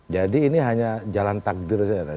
jadi ini hanya jalan takdir saja